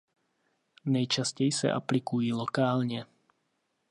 Nejčastěji se aplikují lokálně.